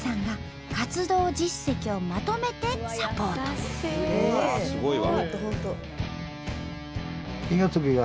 すごいわ。